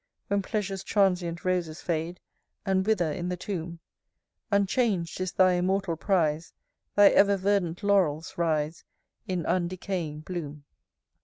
When Pleasure's transient roses fade, And wither in the tomb, Unchang'd is thy immortal prize; Thy ever verdant laurels rise In undecaying bloom.